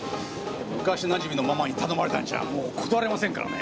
昔なじみのママに頼まれたんじゃもう断れませんからね。